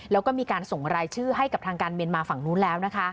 แล้วก็มีการส่งรายชื่อให้กับทางการเมียนมาฝั่งนู้นแล้ว